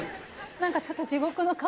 何かちょっと。